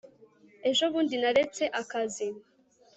ejo bundi naretse akazi